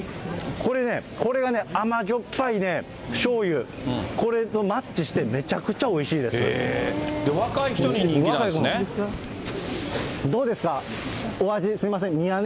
これね、これがね、甘じょっぱいね、しょうゆ、これとマッチしてめちゃくちゃおいし若い人に人気なんですね。